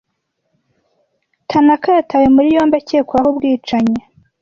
Tanaka yatawe muri yombi akekwaho ubwicanyi.